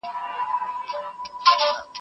که وخت وي، درسونه لوستل کوم.